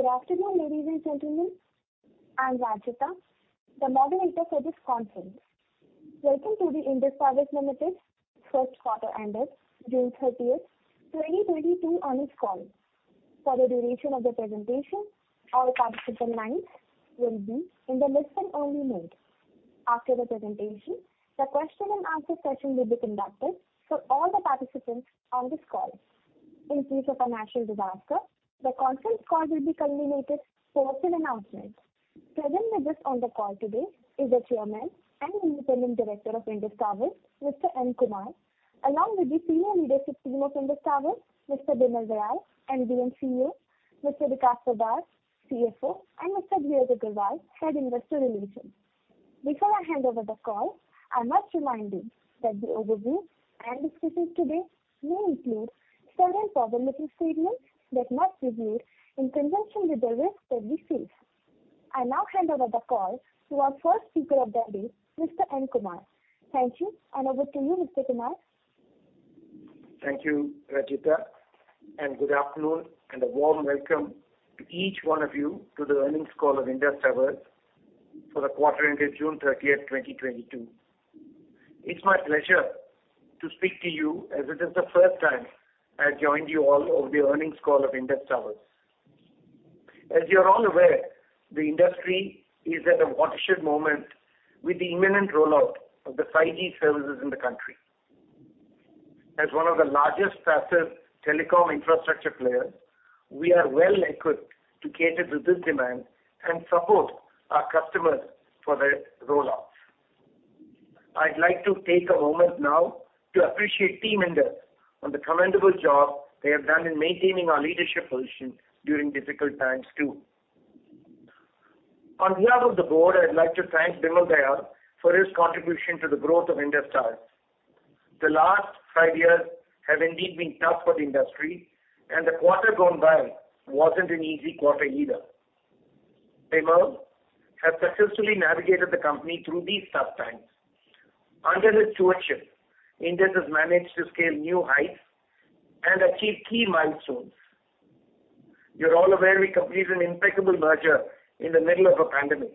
Good afternoon, ladies and gentlemen. I'm Rajita, the moderator for this conference. Welcome to the Indus Towers Limited First Quarter Ended June 30th, 2022 Earnings Call. For the duration of the presentation, all participant lines will be in the listen-only mode. After the presentation, the question-and-answer session will be conducted for all the participants on this call. In case of a natural disaster, the conference call will be concluded. Further announcements. Present with us on the call today is the Chairman and Independent Director of Indus Towers, Mr. N. Kumar, along with the senior leadership team of Indus Towers, Mr. Bimal Dayal, MD and CEO, Mr. Vikas Poddar, CFO, and Mr. Dheeraj Agarwal, Head Investor Relations. Before I hand over the call, I must remind you that the overview and discussions today may include certain forward-looking statements that might be made in conjunction with the risks that we face. I now hand over the call to our first speaker of the day, Mr. N. Kumar. Thank you, and over to you, Mr. Kumar. Thank you, Rajita, and good afternoon and a warm welcome to each one of you to the earnings call of Indus Towers for the quarter ended June 30th, 2022. It's my pleasure to speak to you as it is the first time I joined you all over the earnings call of Indus Towers. As you're all aware, the industry is at a watershed moment with the imminent rollout of the 5G services in the country. As one of the largest passive telecom infrastructure players, we are well-equipped to cater to this demand and support our customers for their rollouts. I'd like to take a moment now to appreciate team Indus on the commendable job they have done in maintaining our leadership position during difficult times too. On behalf of the board, I'd like to thank Bimal Dayal for his contribution to the growth of Indus Towers. The last five years have indeed been tough for the industry, and the quarter gone by wasn't an easy quarter either. Bimal has successfully navigated the company through these tough times. Under his stewardship, Indus has managed to scale new heights and achieve key milestones. You're all aware we completed an impeccable merger in the middle of a pandemic.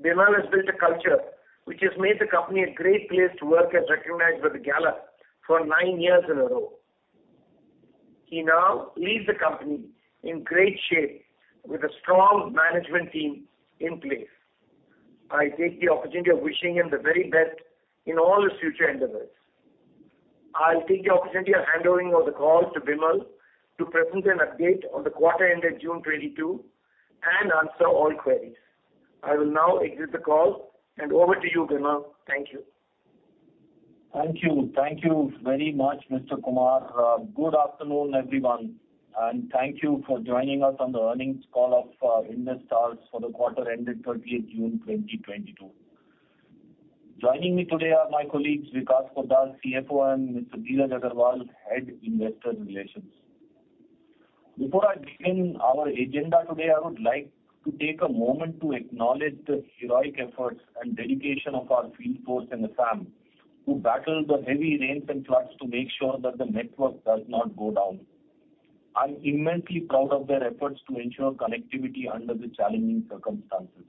Bimal has built a culture which has made the company a great place to work as recognized by Gallup for nine years in a row. He now leaves the company in great shape with a strong management team in place. I take the opportunity of wishing him the very best in all his future endeavors. I'll take the opportunity of handing over the call to Bimal to present an update on the quarter ended June 2022 and answer all queries. I will now exit the call, and over to you, Bimal. Thank you. Thank you. Thank you very much, Mr. Kumar. Good afternoon, everyone, and thank you for joining us on the earnings call of Indus Towers for the quarter ended 30th June 2022. Joining me today are my colleagues, Vikas Poddar, CFO, and Mr. Dheeraj Agarwal, Head Investor Relations. Before I begin our agenda today, I would like to take a moment to acknowledge the heroic efforts and dedication of our field force and the SAM, who battled the heavy rains and floods to make sure that the network does not go down. I'm immensely proud of their efforts to ensure connectivity under the challenging circumstances.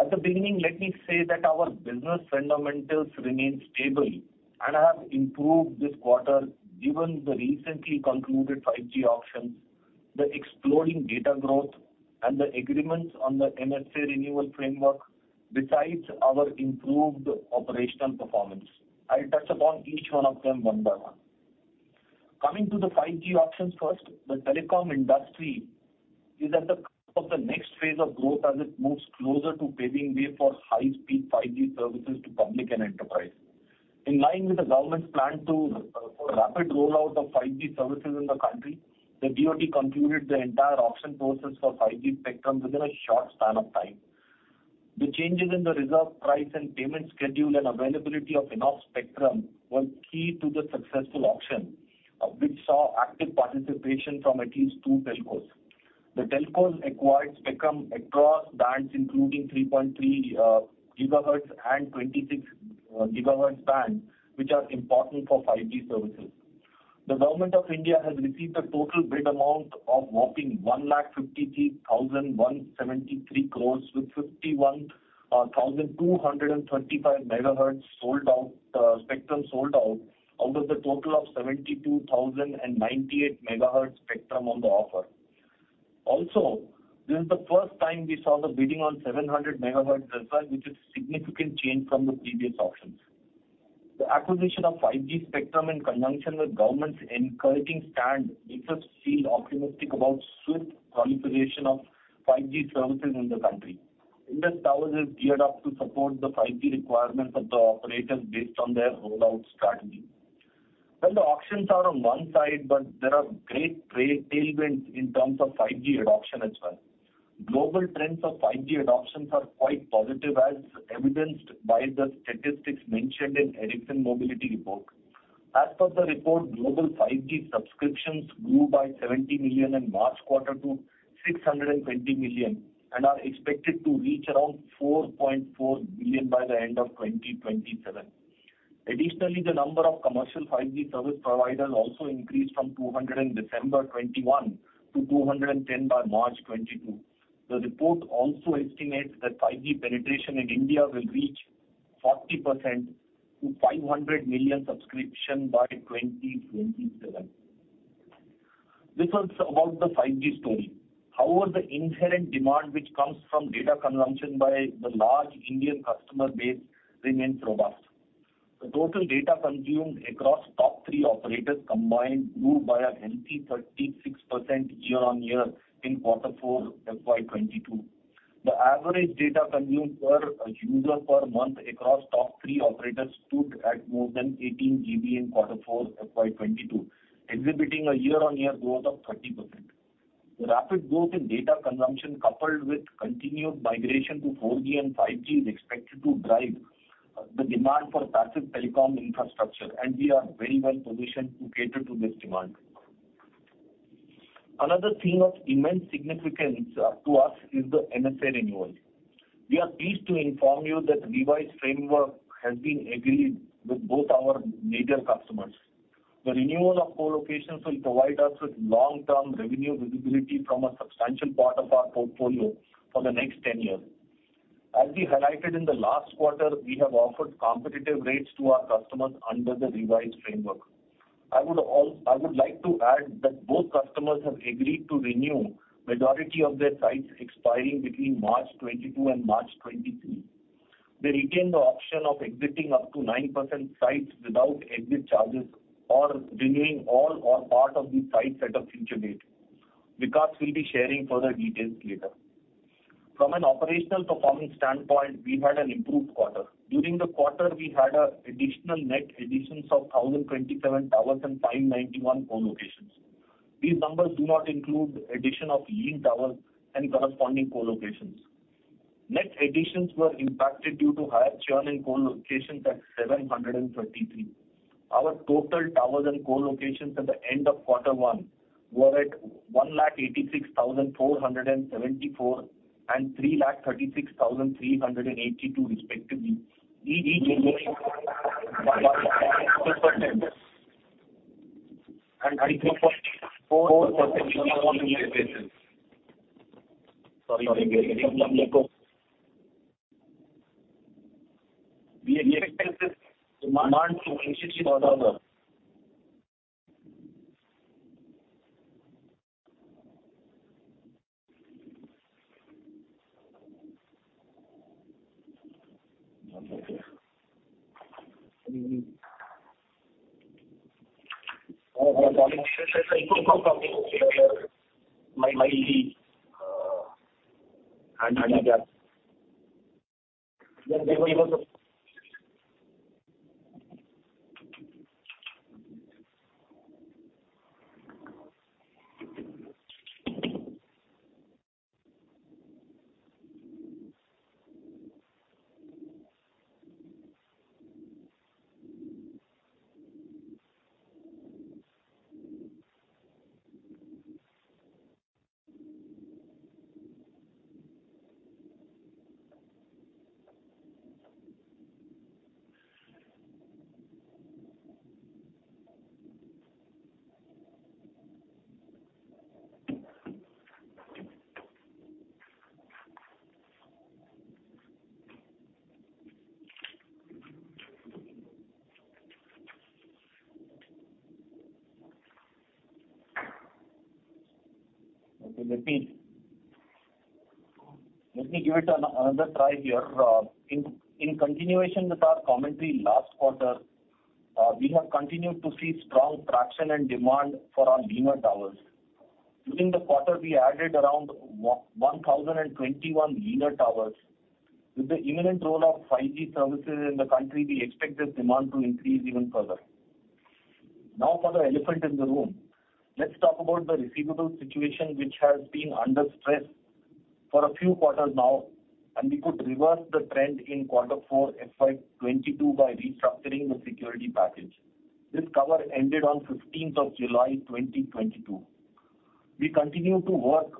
At the beginning, let me say that our business fundamentals remain stable and have improved this quarter, given the recently concluded 5G auctions, the exploding data growth, and the agreements on the MSA renewal framework, besides our improved operational performance. I'll touch upon each one of them one by one. Coming to the 5G auctions first. The telecom industry is at the cusp of the next phase of growth as it moves closer to paving the way for high-speed 5G services to public and enterprise. In line with the government's plan for rapid rollout of 5G services in the country, the DOT concluded the entire auction process for 5G spectrum within a short span of time. The changes in the reserve price and payment schedule and availability of enough spectrum was key to the successful auction, which saw active participation from at least two telcos. The telcos acquired spectrum across bands, including 3.3 GHz and 26 GHz bands, which are important for 5G services. The Government of India has received a total bid amount of whopping 1,53,173 crore, with 51,235 MHz sold out, spectrum sold out of the total of 72,098 MHz spectrum on the offer. Also, this is the first time we saw the bidding on 700 MHz reserve, which is significant change from the previous auctions. The acquisition of 5G spectrum in conjunction with government's encouraging stand makes us feel optimistic about swift proliferation of 5G services in the country. Indus Towers is geared up to support the 5G requirements of the operators based on their rollout strategy. Well, the auctions are on one side, but there are great trade tailwinds in terms of 5G adoption as well. Global trends of 5G adoptions are quite positive, as evidenced by the statistics mentioned in Ericsson Mobility Report. As per the report, global 5G subscriptions grew by 70 million in March quarter to 620 million and are expected to reach around 4.4 billion by the end of 2027. Additionally, the number of commercial 5G service providers also increased from 200 in December 2021 to 210 by March 2022. The report also estimates that 5G penetration in India will reach 40% to 500 million subscription by 2027. This was about the 5G story. However, the inherent demand which comes from data consumption by the large Indian customer base remains robust. The total data consumed across top three operators combined grew by a healthy 36% year-on-year in quarter four FY 2022. The average data consumed per user per month across top three operators stood at more than 18 GB in quarter four FY 2022, exhibiting a year-on-year growth of 30%. The rapid growth in data consumption, coupled with continued migration to 4G and 5G, is expected to drive the demand for passive telecom infrastructure, and we are very well positioned to cater to this demand. Another theme of immense significance to us is the MSA renewal. We are pleased to inform you that revised framework has been agreed with both our major customers. The renewal of co-locations will provide us with long-term revenue visibility from a substantial part of our portfolio for the next 10 years. As we highlighted in the last quarter, we have offered competitive rates to our customers under the revised framework. I would like to add that both customers have agreed to renew majority of their sites expiring between March 2022 and March 2023. They retain the option of exiting up to 9% sites without exit charges or renewing all or part of these sites at a future date. Vikas will be sharing further details later. From an operational performance standpoint, we had an improved quarter. During the quarter, we had additional net additions of 1,027 towers and 591 co-locations. These numbers do not include addition of lean towers and corresponding co-locations. Net additions were impacted due to higher churn in co-locations at 733. Our total towers and co-locations at the end of quarter one were at 186,474 and 336,382 respectively, each growing percent and 44% on a year-on-year basis. Sorry. We expect this demand to continue further. In continuation with our commentary last quarter, we have continued to see strong traction and demand for our leaner towers. During the quarter, we added around 1,021 leaner towers. With the imminent rollout of 5G services in the country, we expect this demand to increase even further. Now for the elephant in the room. Let's talk about the receivables situation, which has been under stress for a few quarters now, and we could reverse the trend in quarter four FY 2022 by restructuring the security package. This cover ended on 15th of July 2022. We continue to work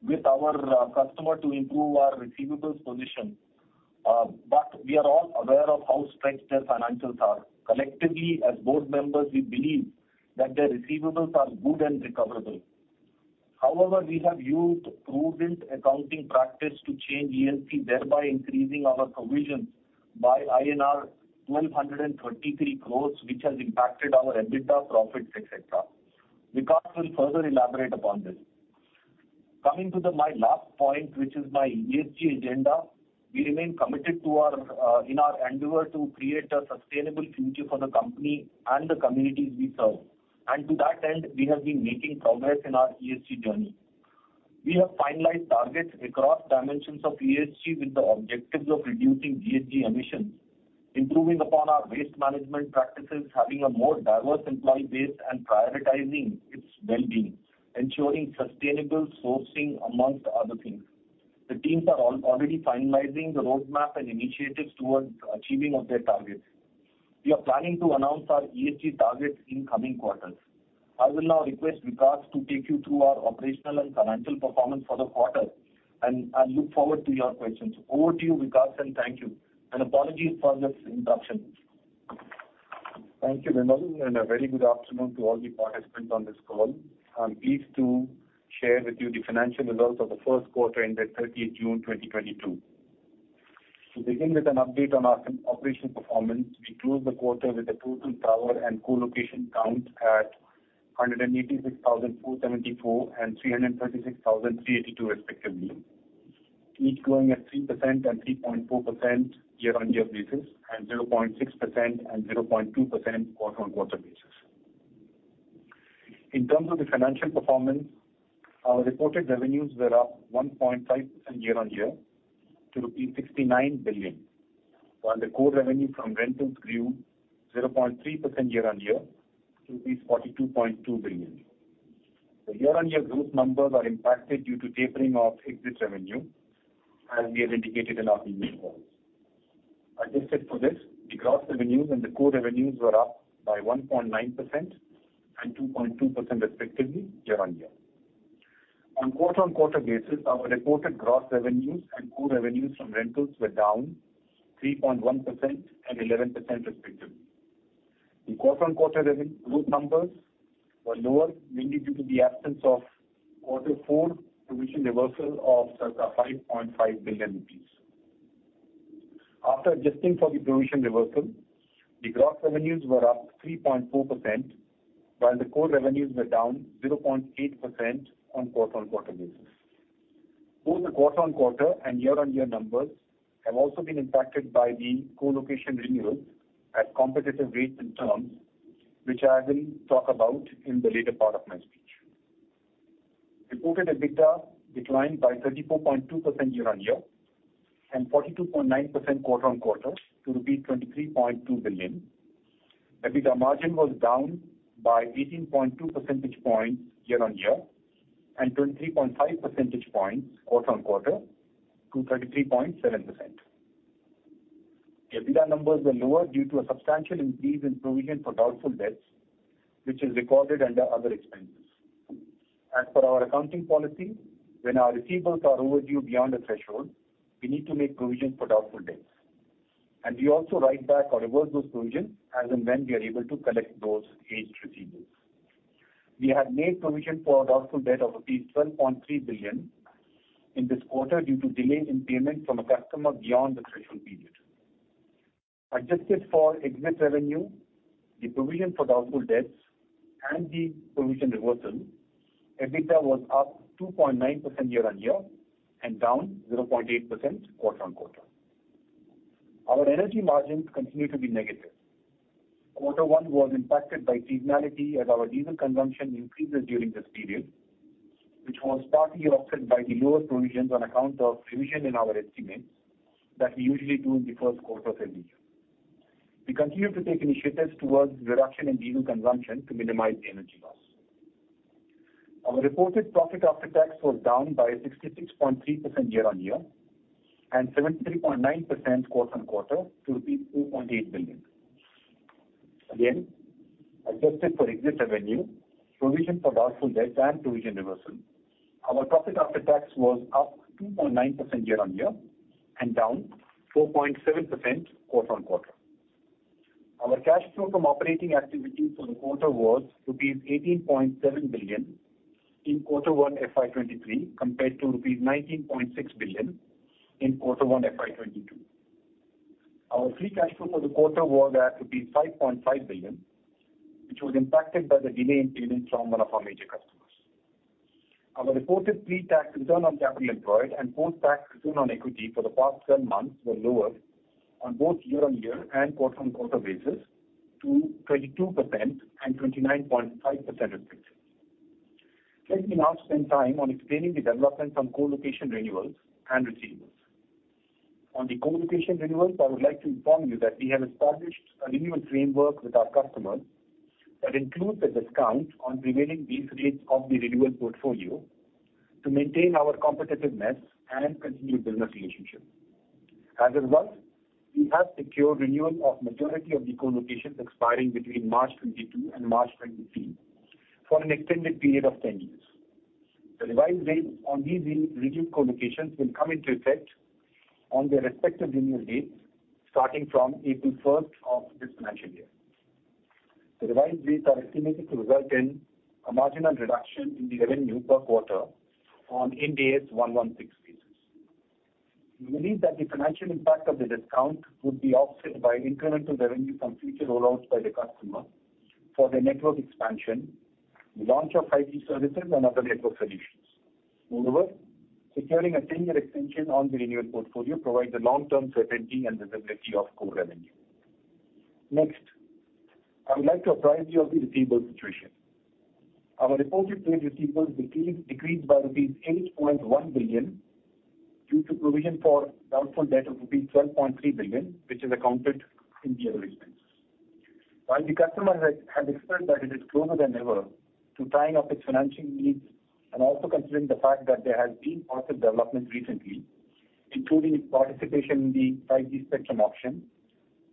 with our customer to improve our receivables position, but we are all aware of how stretched their financials are. Collectively, as board members, we believe that their receivables are good and recoverable. However, we have used prudent accounting practice to change ECL, thereby increasing our provisions by INR 1,233 crores, which has impacted our EBITDA profits, et cetera. Vikas will further elaborate upon this. Coming to my last point, which is my ESG agenda. We remain committed to our in our endeavor to create a sustainable future for the company and the communities we serve. To that end, we have been making progress in our ESG journey. We have finalized targets across dimensions of ESG with the objectives of reducing GHG emissions, improving upon our waste management practices, having a more diverse employee base, and prioritizing its well-being, ensuring sustainable sourcing, among other things. The teams are already finalizing the roadmap and initiatives towards achieving of their targets. We are planning to announce our ESG targets in coming quarters. I will now request Vikas to take you through our operational and financial performance for the quarter, and I look forward to your questions. Over to you, Vikas, and thank you. Apologies for this introduction. Thank you, Bimal. A very good afternoon to all the participants on this call. I'm pleased to share with you the financial results of the first quarter ended 30th June 2022. To begin with an update on our operation performance, we closed the quarter with a total tower and co-location count at 186,474 and 336,382 respectively, each growing at 3% and 3.4% year-over-year basis, and 0.6% and 0.2% quarter-over-quarter basis. In terms of the financial performance, our reported revenues were up 1.5% year-over-year to rupees 69 billion, while the core revenue from rentals grew 0.3% year-over-year to 42.2 billion. The year-over-year growth numbers are impacted due to tapering of exit revenue, as we had indicated in our earnings calls. Adjusted for this, the gross revenues and the core revenues were up by 1.9% and 2.2% respectively year-over-year. On quarter-on-quarter basis, our reported gross revenues and core revenues from rentals were down 3.1% and 11% respectively. The quarter-on-quarter revenue growth numbers were lower, mainly due to the absence of quarter four provision reversal of circa 5.5 billion rupees. After adjusting for the provision reversal, the gross revenues were up 3.4%, while the core revenues were down 0.8% on quarter-on-quarter basis. Both the quarter-on-quarter and year-on-year numbers have also been impacted by the co-location renewals at competitive rates and terms, which I will talk about in the later part of my speech. Reported EBITDA declined by 34.2% year-on-year and 42.9% quarter-on-quarter to rupees 23.2 billion. EBITDA margin was down by 18.2 percentage points year-on-year and 23.5 percentage points quarter-on-quarter to 33.7%. EBITDA numbers were lower due to a substantial increase in provision for doubtful debts, which is recorded under other expenses. As per our accounting policy, when our receivables are overdue beyond the threshold, we need to make provision for doubtful debts, and we also write back or reverse those provisions as and when we are able to collect those aged receivables. We have made provision for a doubtful debt of rupees 12.3 billion in this quarter due to delay in payment from a customer beyond the threshold period. Adjusted for exit revenue, the provision for doubtful debts and the provision reversal, EBITDA was up 2.9% year-on-year and down 0.8% quarter-on-quarter. Our energy margins continue to be negative. Quarter one was impacted by seasonality as our diesel consumption increases during this period, which was partly offset by the lower provisions on account of revision in our estimates that we usually do in the first quarter of every year. We continue to take initiatives towards reduction in diesel consumption to minimize the energy loss. Our reported profit after tax was down by 66.3% year-on-year and 73.9% quarter-on-quarter to INR 2.8 billion. Again, adjusted for exit revenue, provision for doubtful debts and provision reversal, our profit after tax was up 2.9% year-on-year and down 4.7% quarter-on-quarter. Our cash flow from operating activities for the quarter was rupees 18.7 billion in quarter one FY 2023 compared to rupees 19.6 billion in quarter one FY 2022. Our free cash flow for the quarter was at 5.5 billion, which was impacted by the delay in payment from one of our major customers. Our reported pre-tax return on capital employed and post-tax return on equity for the past 12 months were lower on both year-on-year and quarter-on-quarter basis to 22% and 29.5% respectively. Let me now spend time on explaining the development from co-location renewals and receivables. On the co-location renewals, I would like to inform you that we have established a renewal framework with our customers that includes a discount on remaining lease rates of the renewal portfolio to maintain our competitiveness and continued business relationship. As a result, we have secured renewal of majority of the co-locations expiring between March 2022 and March 2023 for an extended period of 10 years. The revised rates on these renewed co-locations will come into effect on their respective renewal dates starting from April 1 of this financial year. The revised rates are estimated to result in a marginal reduction in the revenue per quarter on Ind AS 116 basis. We believe that the financial impact of the discount would be offset by incremental revenue from future rollouts by the customer for their network expansion, the launch of 5G services and other network additions. Moreover, securing a 10-year extension on the renewal portfolio provides a long-term certainty and visibility of core revenue. Next, I would like to apprise you of the receivables situation. Our reported trade receivables decreased by rupees 8.1 billion due to provision for doubtful debt of rupees 12.3 billion, which is accounted in the other expense. While the customer has expressed that it is closer than ever to tying up its financing needs, and also considering the fact that there has been positive development recently, including participation in the 5G spectrum auction.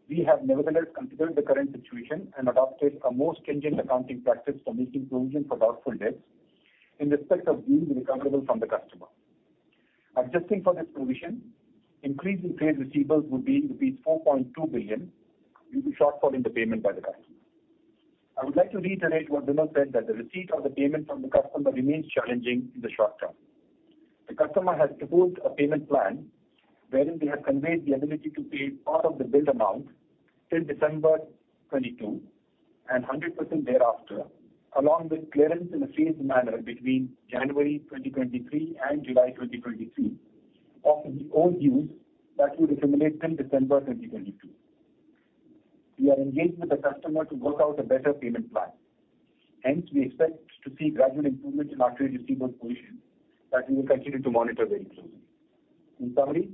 We have nevertheless considered the current situation and adopted a more stringent accounting practice for making provision for doubtful debts in respect of being recoverable from the customer. Adjusting for this provision, increase in trade receivables would be 4.2 billion due to shortfall in the payment by the customer. I would like to reiterate what Bimal said that the receipt of the payment from the customer remains challenging in the short term. The customer has proposed a payment plan wherein they have conveyed the ability to pay part of the billed amount till December 2022 and 100% thereafter, along with clearance in a phased manner between January 2023 and July 2023 of the old dues that would accumulate till December 2022. We are engaged with the customer to work out a better payment plan. Hence, we expect to see gradual improvement in our trade receivables position that we will continue to monitor very closely. In summary,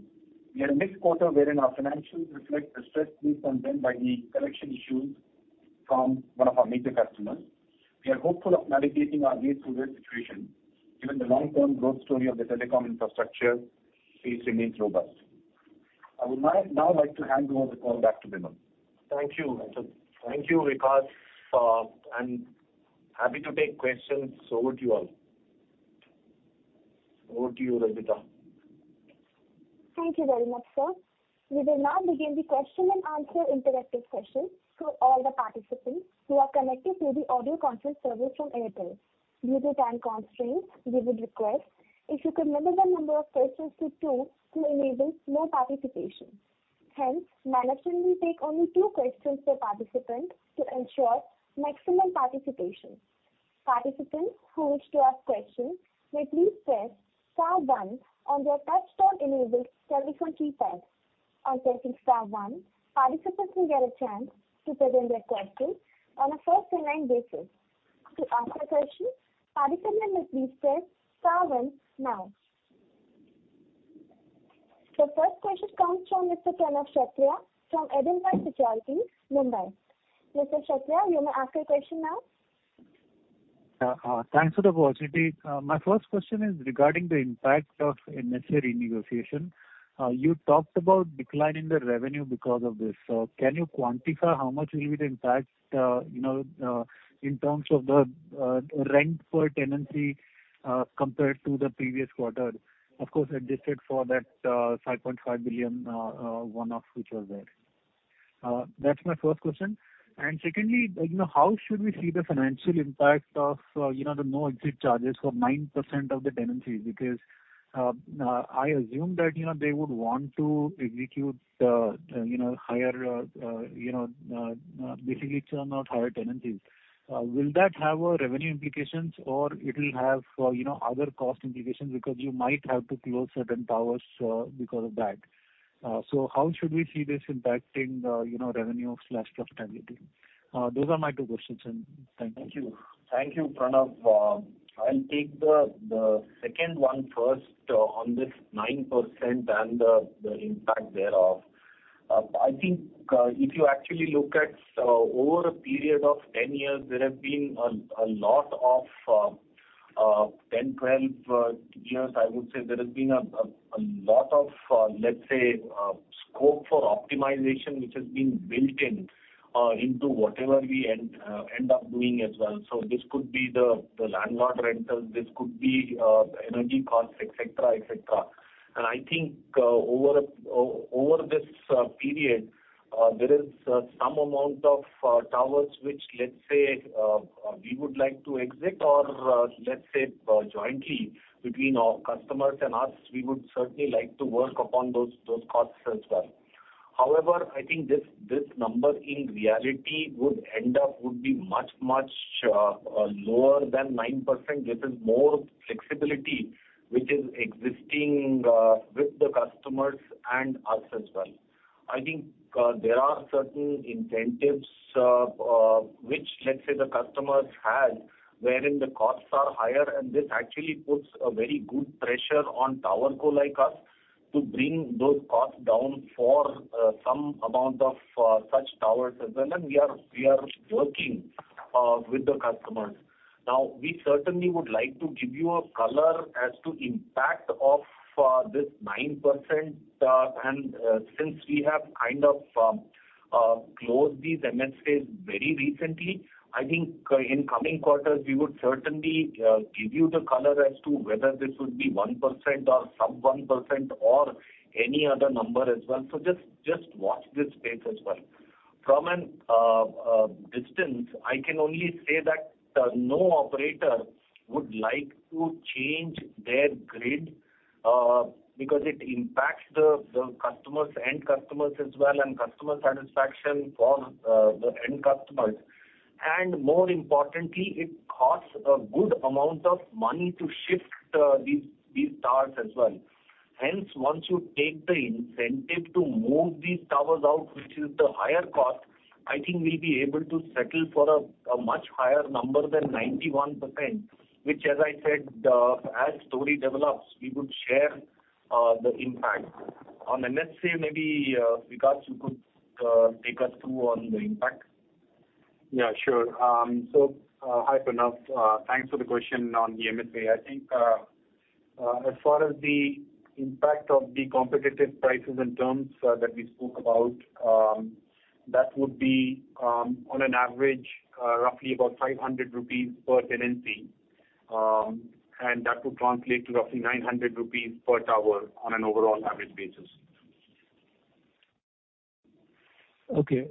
we had a mixed quarter wherein our financials reflect the stress being contained by the collection issues from one of our major customers. We are hopeful of navigating our way through this situation, given the long-term growth story of the telecom infrastructure space remains robust. I would now like to hand over the call back to Bimal. Thank you, Vikas. I'm happy to take questions. Over to you all. Over to you, Rajita. Thank you very much, sir. We will now begin the question and answer interactive session to all the participants who are connected through the audio conference service from Airtel. Due to time constraints, we would request if you could limit the number of questions to two to enable more participation. Hence, management will take only two questions per participant to ensure maximum participation. Participants who wish to ask questions may please press star one on their touchtone enabled telephone keypad. On pressing star one, participants will get a chance to present their question on a first in line basis. To ask a question, participant must please press star one now. The first question comes from Mr. Pranav Kshatriya from Edelweiss Securities, Mumbai. Mr. Kshatriya, you may ask your question now. Thanks for the opportunity. My first question is regarding the impact of MSA renegotiation. You talked about decline in the revenue because of this. Can you quantify how much will it impact, you know, in terms of the rent per tenancy, compared to the previous quarter? Of course, adjusted for that 5.5 billion one-off which was there. That's my first question. Secondly, you know, how should we see the financial impact of, you know, the no exit charges for 9% of the tenancies? Because, I assume that, you know, they would want to execute, you know, higher, basically turn on higher tenancies. Will that have revenue implications or it will have you know other cost implications because you might have to close certain towers because of that? How should we see this impacting you know revenue/profitability? Those are my two questions, and thank you. Thank you. Thank you, Pranav. I'll take the second one first on this 9% and the impact thereof. I think if you actually look at over a period of 10 years, I would say there has been a lot of, let's say, scope for optimization, which has been built in into whatever we end up doing as well. This could be the landlord rentals, this could be energy costs, et cetera, et cetera. I think over this period there is some amount of towers which let's say we would like to exit or, let's say, jointly between our customers and us, we would certainly like to work upon those costs as well. However, I think this number in reality would end up being much lower than 9%. This is more flexibility which is existing with the customers and us as well. I think there are certain incentives which let's say the customers have wherein the costs are higher, and this actually puts a very good pressure on TowerCo like us to bring those costs down for some amount of such towers as well. We are working with the customers. Now, we certainly would like to give you a color as to impact of this 9%. Since we have kind of closed these MSAs very recently, I think in coming quarters, we would certainly give you the color as to whether this would be 1% or sub 1% or any other number as well. Just watch this space as well. From a distance, I can only say that no operator would like to change their grid because it impacts the customers, end customers as well, and customer satisfaction for the end customers. More importantly, it costs a good amount of money to shift these towers as well. Hence, once you take the incentive to move these towers out, which is the higher cost, I think we'll be able to settle for a much higher number than 91%, which as I said, as story develops, we would share the impact. On MSA, maybe Vikas you could take us through on the impact. Yeah, sure. So, hi, Pranav. Thanks for the question on the MSA. I think, as far as the impact of the competitive prices and terms that we spoke about, that would be on an average roughly about 500 rupees per tenancy. And that would translate to roughly 900 rupees per tower on an overall average basis. Okay.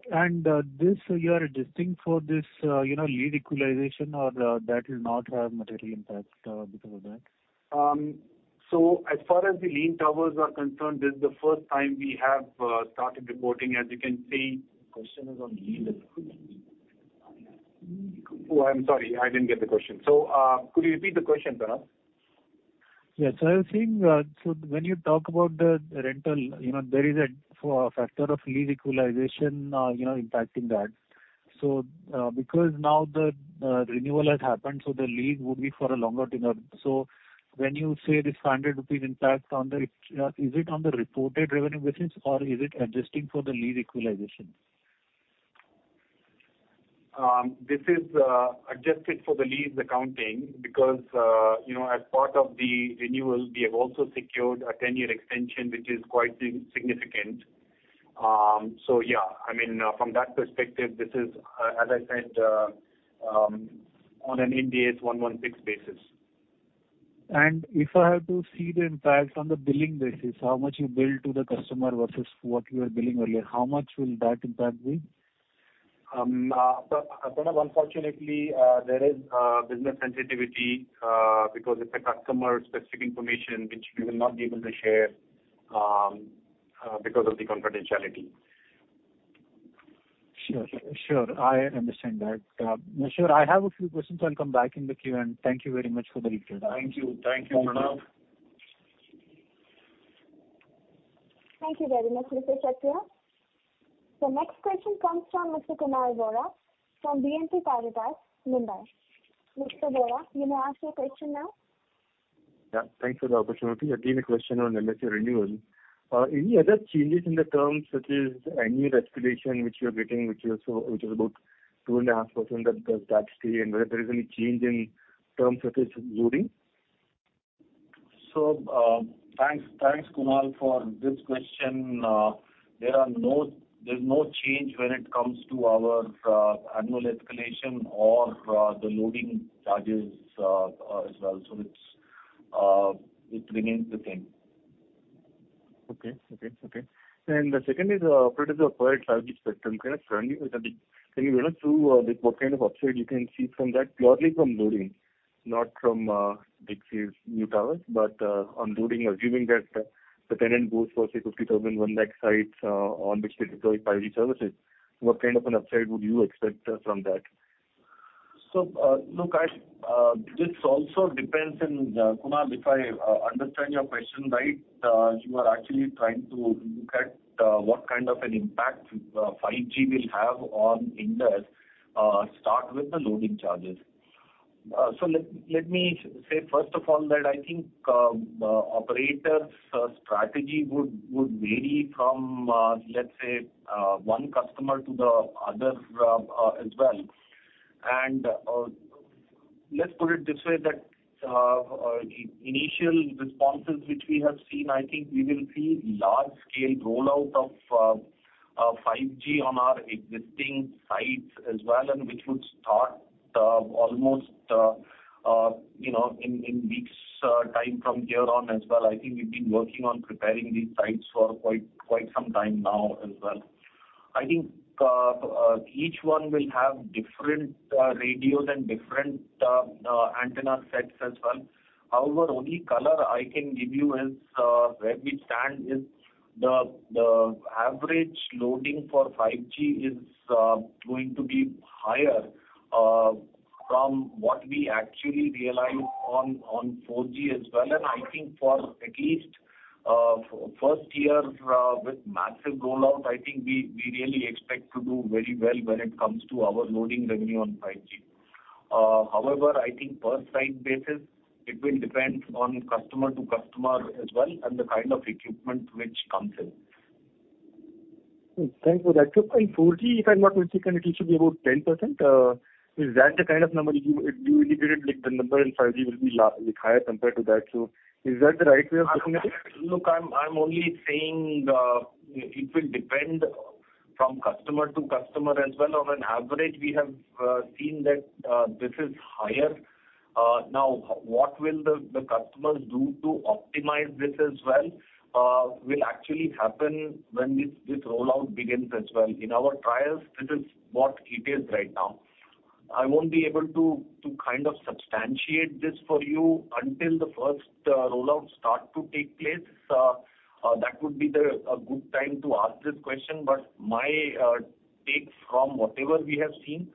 This you are adjusting for this, you know, lease equalization or that will not have material impact because of that. As far as the lean towers are concerned, this is the first time we have started reporting. As you can see. Question is on lease. Oh, I'm sorry. I didn't get the question. Could you repeat the question, Pranav? Yes, I was saying, so when you talk about the rental, you know, there is a factor of lease equalization, you know, impacting that. Because now the renewal has happened, so the lease would be for a longer tenure. When you say this 100 rupees impact on the, is it on the reported revenue business or is it adjusting for the lease equalization? This is adjusted for the lease accounting because, you know, as part of the renewal, we have also secured a ten-year extension, which is quite significant. Yeah, I mean, from that perspective, this is as I said on an Ind AS 116 basis. If I have to see the impact on the billing basis, how much you billed to the customer versus what you were billing earlier, how much will that impact be? Pranav, unfortunately, there is business sensitivity because it's customer specific information which we will not be able to share because of the confidentiality. Sure, sure. I understand that. Sure. I have a few questions. I'll come back in the queue, and thank you very much for the details. Thank you. Thank you, Pranav. Thank you. Thank you very much, Mr. Kshatriya. The next question comes from Mr. Kunal Vora from BNP Paribas, Mumbai. Mr. Vora, you may ask your question now. Yeah, thanks for the opportunity. Again, a question on MSA renewal. Any other changes in the terms such as annual escalation which you are getting, which is about 2.5%, does that stay and whether there is any change in terms such as loading? Thanks Kunal for this question. There's no change when it comes to our annual escalation or the loading charges as well. It remains the same. Okay. The second is, operators acquired 5G spectrum. Can I ask, can you run us through what kind of upside you can see from that, purely from loading, not from DIT's new towers, but on loading, assuming that the tenant goes for say 50,000, 1 lakh sites on which they deploy 5G services. What kind of an upside would you expect from that? Look, this also depends and, Kunal, if I understand your question right, you are actually trying to look at what kind of an impact 5G will have on Indus, start with the loading charges. Let me say first of all that I think operators strategy would vary from, let's say, one customer to the other, as well. Let's put it this way, that initial responses which we have seen, I think we will see large scale rollout of 5G on our existing sites as well, and which would start almost, you know, in weeks time from here on as well. I think we've been working on preparing these sites for quite some time now as well. I think each one will have different radios and different antenna sets as well. However, only color I can give you is where we stand is the average loading for 5G is going to be higher from what we actually realized on 4G as well. I think for at least first year with massive rollout, I think we really expect to do very well when it comes to our loading revenue on 5G. However, I think per site basis, it will depend on customer to customer as well and the kind of equipment which comes in. Thanks for that. In 4G, if I'm not mistaken, it should be about 10%. Is that the kind of number you indicated like the number in 5G will be like higher compared to that. Is that the right way of looking at it? Look, I'm only saying it will depend from customer to customer as well. On average, we have seen that this is higher. Now, what will the customers do to optimize this as well will actually happen when this rollout begins as well. In our trials, this is what it is right now. I won't be able to kind of substantiate this for you until the first rollout start to take place. That would be a good time to ask this question, but my take from whatever we have seen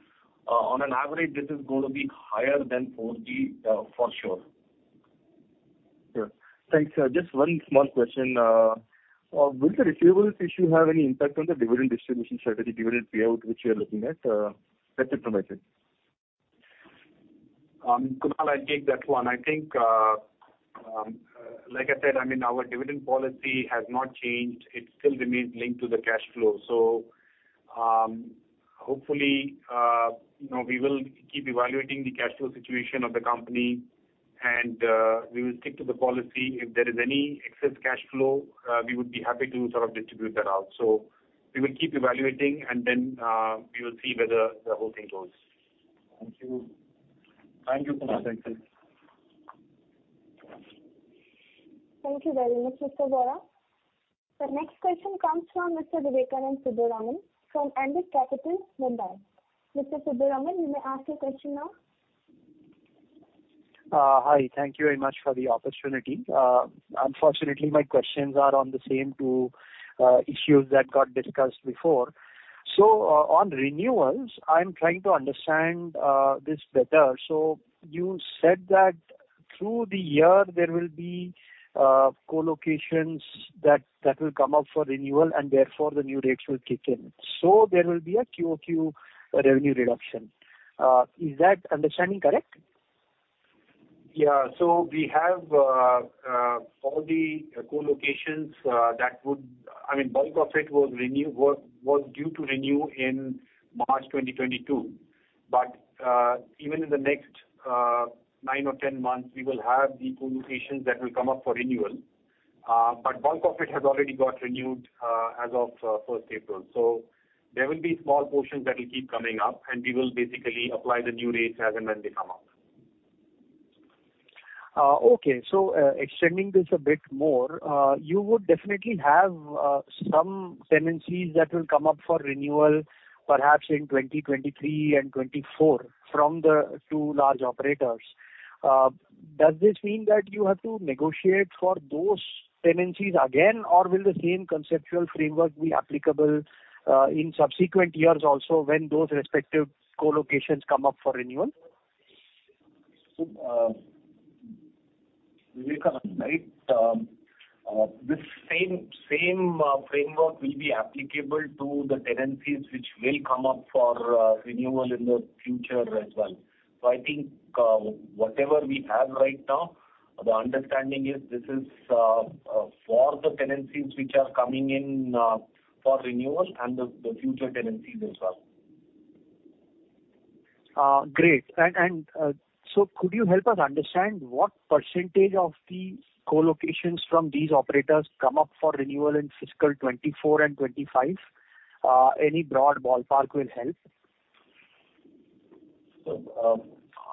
on average, this is gonna be higher than 4G for sure. Sure. Thanks. Just one small question. Will the receivables issue have any impact on the dividend distribution strategy, dividend payout, which you are looking at? That's it from my side. Kunal, I'll take that one. I think, like I said, I mean, our dividend policy has not changed. It still remains linked to the cash flow. Hopefully, you know, we will keep evaluating the cash flow situation of the company and we will stick to the policy. If there is any excess cash flow, we would be happy to sort of distribute that out. We will keep evaluating, and then we will see whether the whole thing goes. Thank you. Thank you, Kunal, thank you. Thank you very much, Mr. Vora. The next question comes from Mr. Vivekanand Subbaraman from Ambit Capital, Mumbai. Mr. Subbaraman, you may ask your question now. Hi. Thank you very much for the opportunity. Unfortunately, my questions are on the same two issues that got discussed before. On renewals, I'm trying to understand this better. You said that through the year there will be co-locations that will come up for renewal and therefore the new rates will kick in. There will be a QOQ revenue reduction. Is that understanding correct? Yeah. We have all the co-locations that would, I mean, bulk of it was due to renew in March 2022. Even in the next nine or 10 months, we will have the co-locations that will come up for renewal. Bulk of it has already got renewed as of first April. There will be small portions that will keep coming up, and we will basically apply the new rates as and when they come up. Okay. Extending this a bit more, you would definitely have some tenancies that will come up for renewal, perhaps in 2023 and 2024 from the two large operators. Does this mean that you have to negotiate for those tenancies again, or will the same conceptual framework be applicable in subsequent years also when those respective co-locations come up for renewal? Vivekanand, right, this same framework will be applicable to the tenancies which will come up for renewal in the future as well. I think whatever we have right now, the understanding is this is for the tenancies which are coming in for renewal and the future tenancies as well. Great. Could you help us understand what percentage of the co-locations from these operators come up for renewal in fiscal 2024 and 2025? Any broad ballpark will help.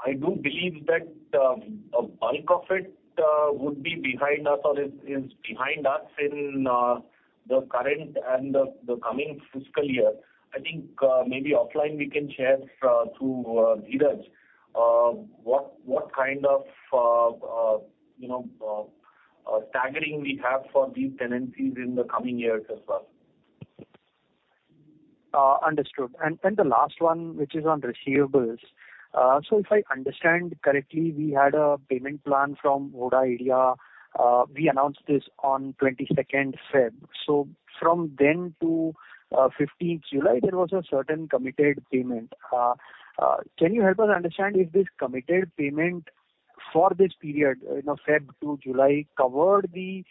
I do believe that a bulk of it would be behind us or is behind us in the current and the coming fiscal year. I think maybe offline we can share through Dheeraj what kind of you know staggering we have for these tenancies in the coming years as well. Understood. The last one, which is on receivables. If I understand correctly, we had a payment plan from Vodafone Idea. We announced this on 22nd February. From then to 15th July, there was a certain committed payment. Can you help us understand if this committed payment for this period, you know, February to July, covered the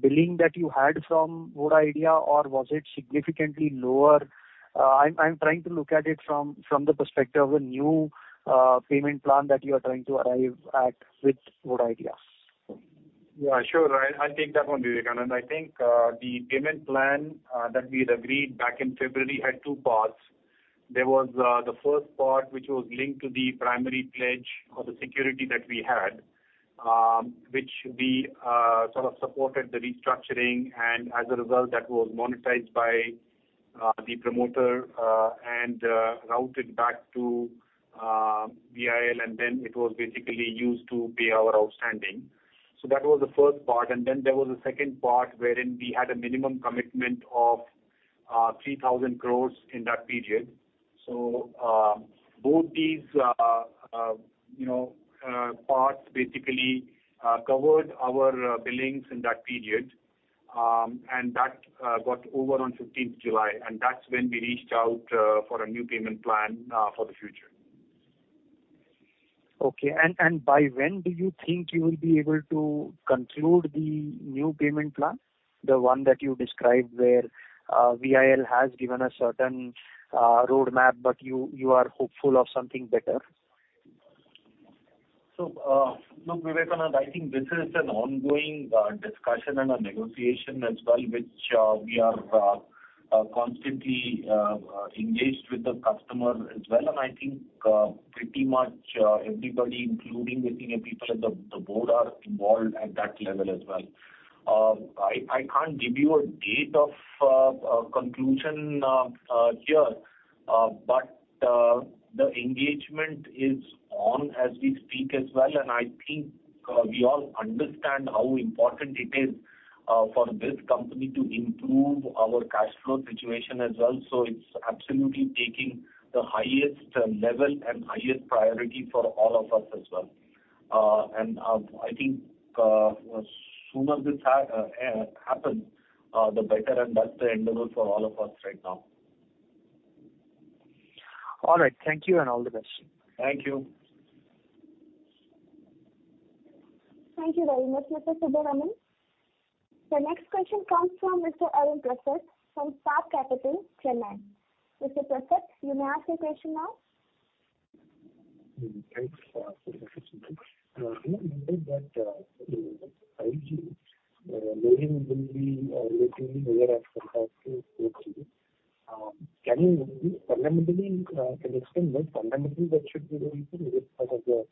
billing that you had from Vodafone Idea, or was it significantly lower? I'm trying to look at it from the perspective of a new payment plan that you are trying to arrive at with Vodafone Idea. Yeah, sure. I'll take that one, Vivekanand. I think the payment plan that we had agreed back in February had two parts. There was the first part, which was linked to the primary pledge or the security that we had, which we sort of supported the restructuring, and as a result, that was monetized by the promoter and routed back to VIL, and then it was basically used to pay our outstanding. That was the first part. Then there was a second part wherein we had a minimum commitment of 3,000 crore in that period. Both these you know parts basically covered our billings in that period. That got over on 15th July, and that's when we reached out for a new payment plan for the future. By when do you think you will be able to conclude the new payment plan, the one that you described where VIL has given a certain roadmap, but you are hopeful of something better? Look, Vivekanand, I think this is an ongoing discussion and a negotiation as well, which we are constantly engaged with the customer as well. I think pretty much everybody, including the senior people at the board, are involved at that level as well. I can't give you a date of conclusion here. The engagement is on as we speak as well. I think we all understand how important it is for this company to improve our cash flow situation as well. It's absolutely taking the highest level and highest priority for all of us as well. I think sooner this happens, the better, and that's the end goal for all of us right now. All right. Thank you and all the best. Thank you. Thank you very much, Mr. Subbaraman. The next question comes from Mr. Arun Prasad from Spark Capital, Chennai. Mr. Prasad, you may ask your question now. Thanks for asking the question. We remember that the 5G loading will be relatively higher as compared to 4G. Can you maybe fundamentally explain what should be going to be because of the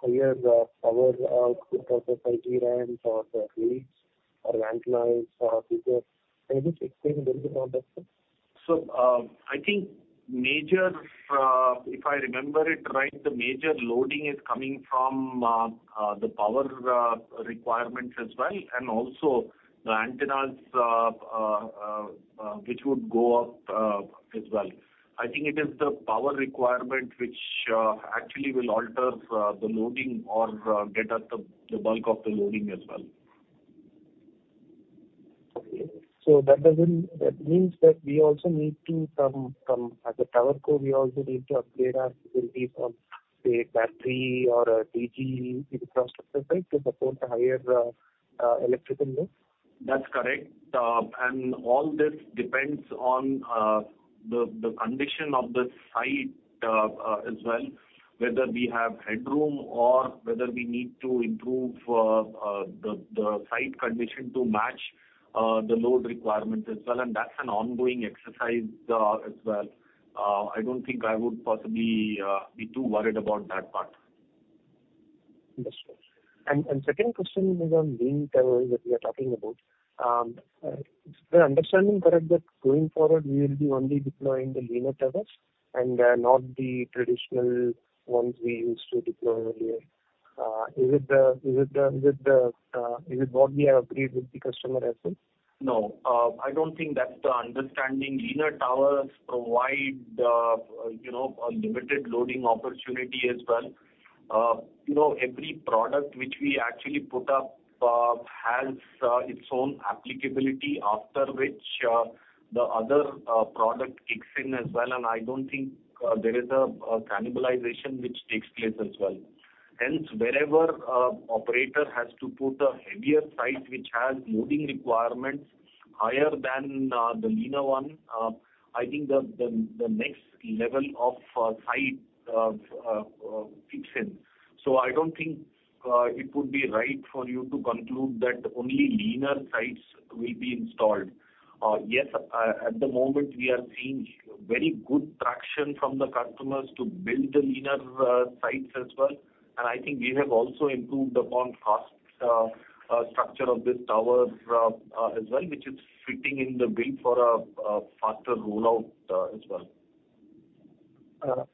higher power output of the 5G RANs or the leads or antennas or I think if I remember it right, the major loading is coming from the power requirements as well, and also the antennas which would go up as well. I think it is the power requirement which actually will alter the loading or rather the bulk of the loading as well. That means that as a TowerCo, we also need to upgrade our ability from, say, battery or a DG infrastructure site to support the higher electrical load. That's correct. All this depends on the condition of the site as well, whether we have headroom or whether we need to improve the site condition to match the load requirement as well. That's an ongoing exercise as well. I don't think I would possibly be too worried about that part. That's fine. Second question is on lean towers that we are talking about. Is my understanding correct that going forward we will be only deploying the leaner towers and not the traditional ones we used to deploy earlier? Is it what we have agreed with the customer as well? No. I don't think that's the understanding. Leaner towers provide, you know, a limited loading opportunity as well. You know, every product which we actually put up has its own applicability, after which the other product kicks in as well. I don't think there is a cannibalization which takes place as well. Hence, wherever operator has to put a heavier site which has loading requirements higher than the leaner one, I think the next level of site kicks in. I don't think it would be right for you to conclude that only leaner sites will be installed. Yes, at the moment, we are seeing very good traction from the customers to build the leaner sites as well. I think we have also improved upon cost structure of this tower as well, which is fitting the bill for a faster rollout as well.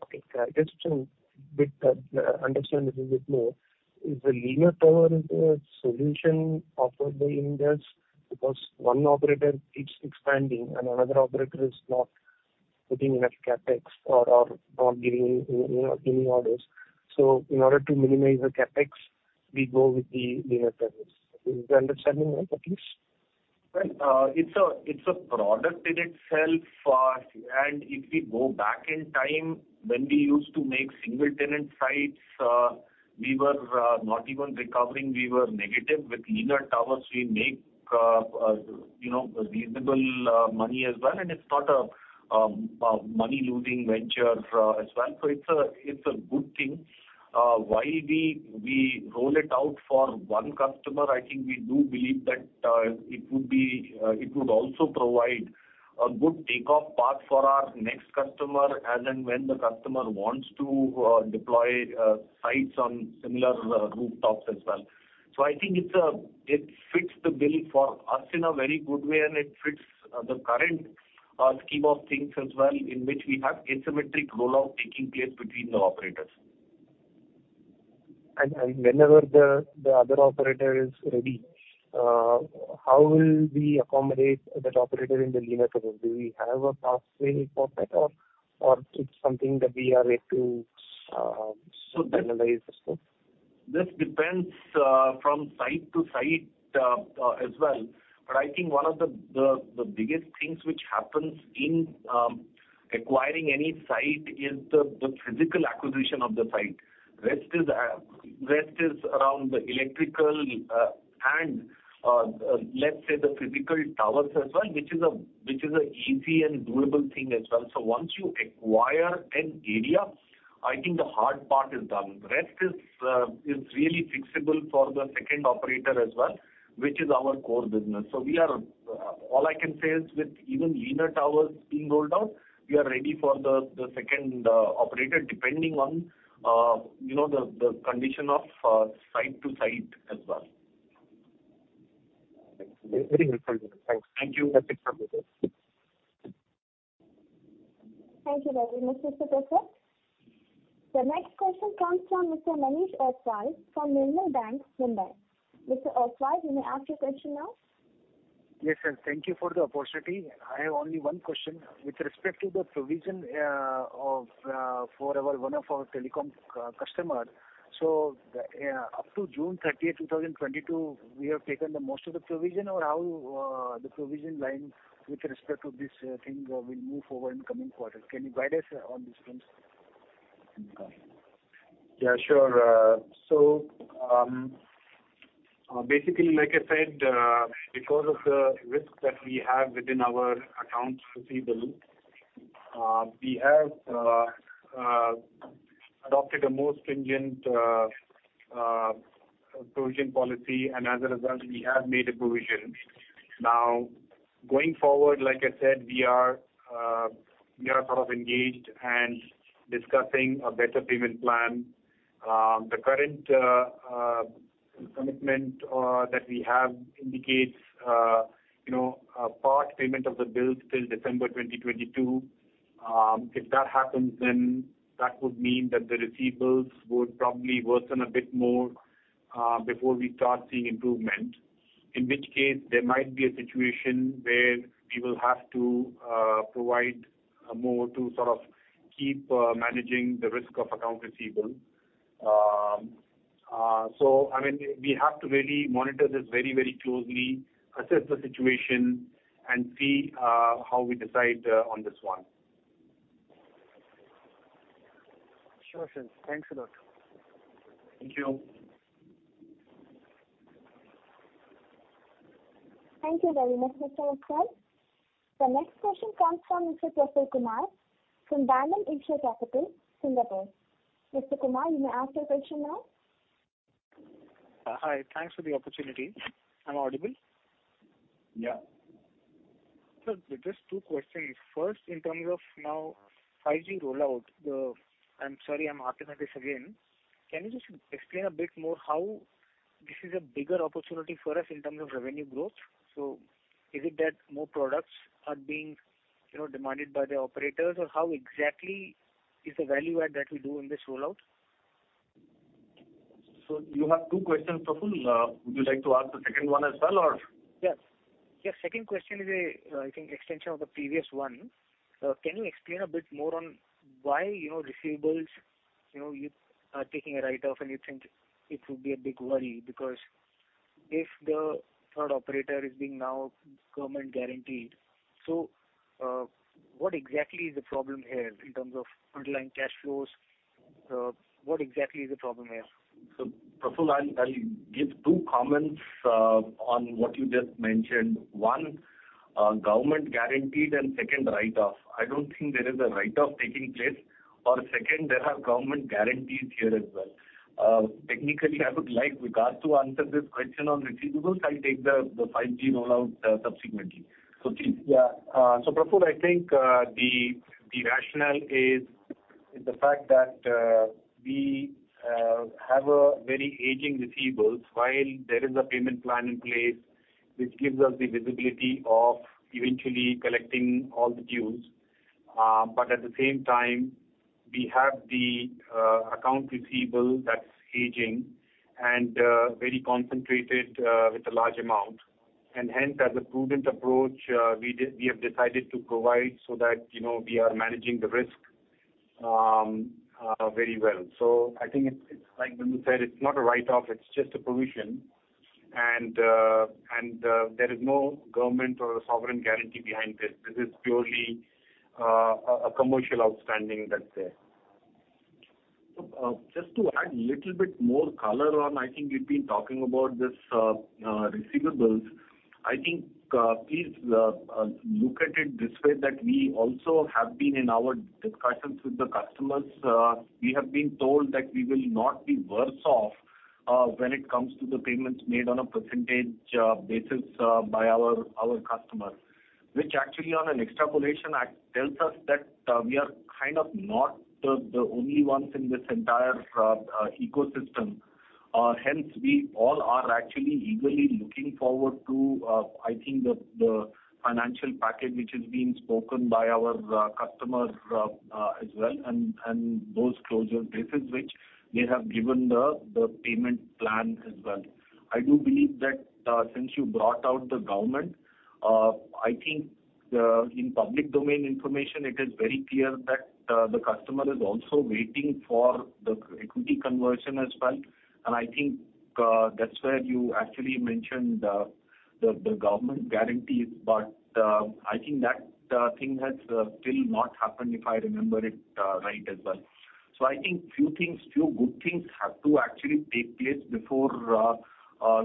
Okay. Can I just understand a little bit more. Is the leaner tower a solution offered by Indus because one operator keeps expanding and another operator is not putting enough CapEx or not giving, you know, giving orders. In order to minimize the CapEx, we go with the leaner towers. Is the understanding right at least? Well, it's a product in itself. If we go back in time when we used to make single tenant sites, we were not even recovering. We were negative. With leaner towers, we make you know reasonable money as well. It's not a money-losing venture as well, so it's a good thing. Why we roll it out for one customer, I think we do believe that it would also provide a good takeoff path for our next customer as and when the customer wants to deploy sites on similar rooftops as well. I think it fits the bill for us in a very good way, and it fits the current scheme of things as well, in which we have asymmetric rollout taking place between the operators. Whenever the other operator is ready, how will we accommodate that operator in the leaner tower? Do we have a pathway for that or it's something that we are yet to sort analyze as well? This depends from site to site as well. I think one of the biggest things which happens in acquiring any site is the physical acquisition of the site. Rest is around the electrical and let's say the physical towers as well, which is a easy and doable thing as well. Once you acquire an area, I think the hard part is done. The rest is really fixable for the second operator as well, which is our core business. We are all I can say is with even leaner towers being rolled out, we are ready for the second operator, depending on you know, the condition of site to site as well. Thanks. Very helpful. Thanks. Thank you. That's it from my side. Thank you very much, Mr. Prasad. The next question comes from Mr. Manish Ostwal from Nirmal Bang, Mumbai. Mr. Ostwal, you may ask your question now. Yes, sir. Thank you for the opportunity. I have only one question. With respect to the provision for one of our telecom customers. Up to June 30th, 2022, we have taken the most of the provision or how the provision line with respect to this thing will move forward in coming quarters. Can you guide us on this one, sir? Yeah, sure. Basically, like I said, because of the risk that we have within our accounts receivable, we have adopted a more stringent provision policy, and as a result, we have made a provision. Now, going forward, like I said, we are sort of engaged and discussing a better payment plan. The current commitment that we have indicates, you know, a part payment of the bills till December 2022. If that happens, that would mean that the receivables would probably worsen a bit more before we start seeing improvement. In which case, there might be a situation where we will have to provide more to sort of keep managing the risk of accounts receivable. I mean, we have to really monitor this very, very closely, assess the situation and see how we decide on this one. Sure, sir. Thanks a lot. Thank you. Thank you very much, Mr. Ostwal. The next question comes from Mr. Praful Kumar from Dymon Asia Capital, Singapore. Mr. Kumar, you may ask your question now. Hi. Thanks for the opportunity. I'm audible? Yeah. Sir, just two questions. First, in terms of now 5G rollout, I'm sorry, I'm asking this again. Can you just explain a bit more how this is a bigger opportunity for us in terms of revenue growth? So is it that more products are being, you know, demanded by the operators, or how exactly is the value add that we do in this rollout? You have two questions, Praful. Would you like to ask the second one as well, or? Yes, second question is, I think, an extension of the previous one. Can you explain a bit more on why, you know, receivables, you know, you are taking a write-off, and you think it would be a big worry because if the third operator is now being government guaranteed. What exactly is the problem here in terms of underlying cash flows? What exactly is the problem here? Praful, I'll give two comments on what you just mentioned. One, government guaranteed, and second, write-off. I don't think there is a write-off taking place, or second, there are government guarantees here as well. Technically, I would like Vikas to answer this question on receivables. I'll take the 5G rollout subsequently. Please, yeah. Praful, I think the rationale is the fact that we have a very aging receivables while there is a payment plan in place, which gives us the visibility of eventually collecting all the dues. But at the same time, we have the accounts receivable that's aging and very concentrated with a large amount. Hence, as a prudent approach, we have decided to provide so that you know we are managing the risk very well. I think it's like Bimal said, it's not a write-off, it's just a provision. There is no government or sovereign guarantee behind this. This is purely a commercial outstanding that's there. Just to add little bit more color on. I think we've been talking about this, receivables. I think, please, look at it this way that we also have been in our discussions with the customers. We have been told that we will not be worse off when it comes to the payments made on a percentage basis by our customers. Which actually, on an extrapolation, actually tells us that we are kind of not the only ones in this entire ecosystem. Hence we all are actually eagerly looking forward to, I think, the financial package which is being spoken by our customer as well, and those closure basis which they have given the payment plan as well. I do believe that, since you brought out the government, I think, in public domain information, it is very clear that, the customer is also waiting for the equity conversion as well. I think, that's where you actually mentioned, the government guarantees. I think that thing has still not happened, if I remember it right as well. I think few good things have to actually take place before,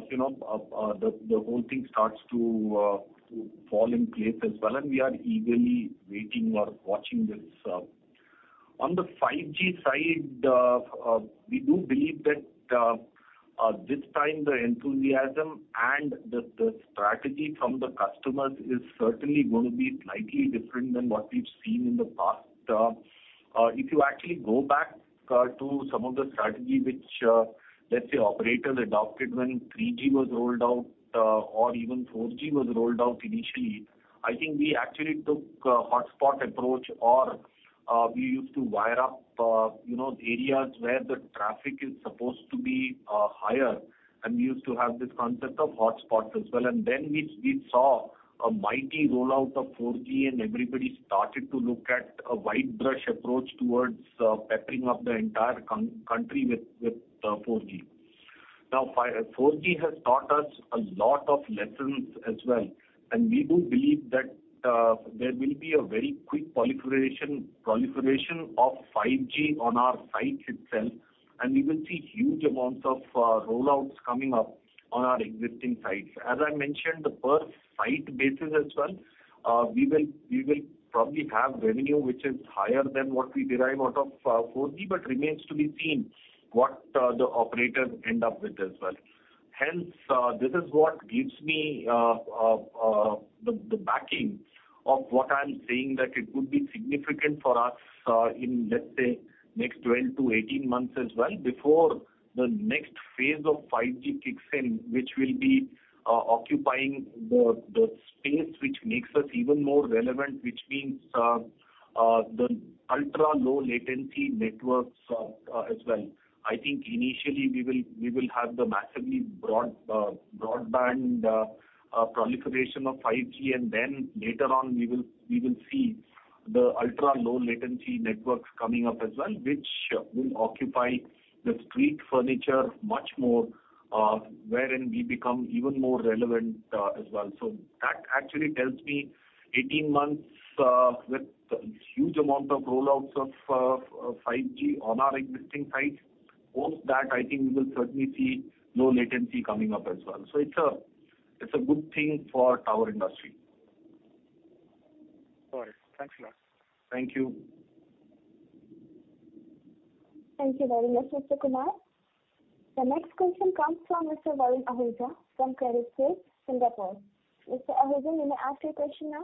you know, the whole thing starts to fall in place as well, and we are eagerly waiting or watching this. On the 5G side, we do believe that this time the enthusiasm and the strategy from the customers is certainly gonna be slightly different than what we've seen in the past. If you actually go back to some of the strategy which, let's say operators adopted when 3G was rolled out, or even 4G was rolled out initially, I think we actually took a hotspot approach or we used to wire up, you know, the areas where the traffic is supposed to be higher, and we used to have this concept of hotspots as well. We saw a mighty rollout of 4G and everybody started to look at a wide brush approach towards peppering up the entire country with 4G. 4G has taught us a lot of lessons as well, and we do believe that there will be a very quick proliferation of 5G on our sites itself, and we will see huge amounts of rollouts coming up on our existing sites. As I mentioned, the per site basis as well, we will probably have revenue which is higher than what we derive out of 4G, but remains to be seen what the operators end up with as well. Hence, this is what gives me the backing of what I'm saying that it could be significant for us, in let's say next 12 to 18 months as well before the next phase of 5G kicks in, which will be occupying the space which makes us even more relevant, which means the ultra-low latency networks as well. I think initially we will have the massively broadband proliferation of 5G, and then later on we will see the ultra-low latency networks coming up as well, which will occupy the street furniture much more, wherein we become even more relevant as well. That actually tells me 18 months with huge amount of rollouts of 5G on our existing sites. Post that, I think we will certainly see low latency coming up as well. It's a good thing for tower industry. All right. Thanks a lot. Thank you. Thank you very much, Mr. Kumar. The next question comes from Mr. Varun Ahuja from Credit Suisse, Singapore. Mr. Ahuja, may I ask your question now?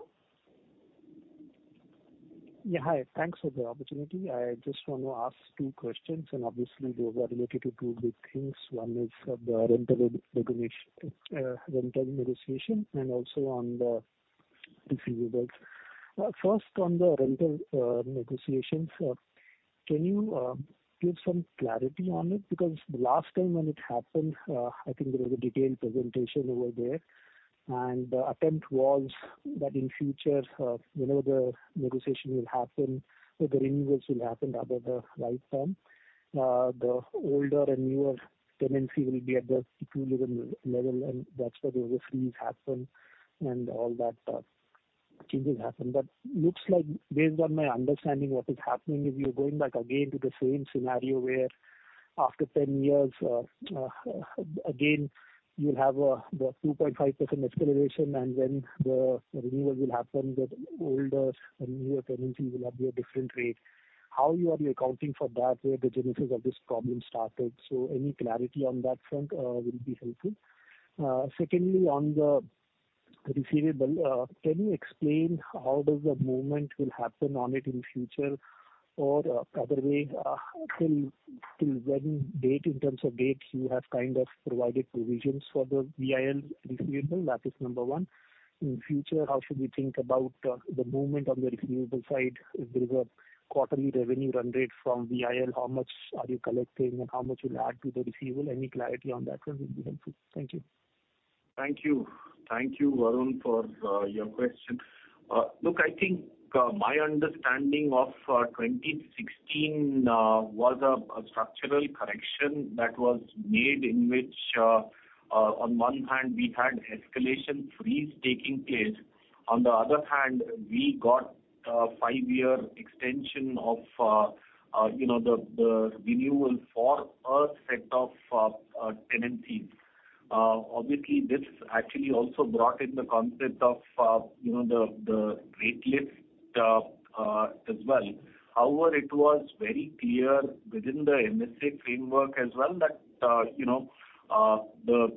Yeah. Hi. Thanks for the opportunity. I just want to ask two questions, and obviously those are related to two big things. One is the rental negotiation and also on the receivables. First, on the rental negotiations, can you give some clarity on it? Because the last time when it happened, I think there was a detailed presentation over there, and the attempt was that in future, whenever the negotiation will happen or the renewals will happen under the right term, the older and newer tenancy will be at the equivalent level, and that's where the freeze happened and all that, changes happened. Looks like based on my understanding what is happening, if you're going back again to the same scenario where after 10 years, again, you'll have a, the 2.5% escalation, and when the renewal will happen with older and newer tenancy will have a different rate. How are you accounting for that, where the genesis of this problem started? So any clarity on that front will be helpful. Secondly, on the receivable, can you explain how does the movement will happen on it in future? Or other way, till when date, in terms of dates, you have kind of provided provisions for the VIL receivable. That is number one. In future, how should we think about the movement on the receivable side? If there is a quarterly revenue run rate from VIL, how much are you collecting and how much will add to the receivable? Any clarity on that front will be helpful. Thank you. Thank you. Thank you, Varun, for your question. Look, I think my understanding of 2016 was a structural correction that was made in which on one hand we had escalation freeze taking place. On the other hand, we got a five-year extension of you know the renewal for a set of tenancies. Obviously, this actually also brought in the concept of you know the rate lift as well. However, it was very clear within the MSA framework as well that you know